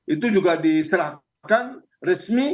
itu juga diserahkan resmi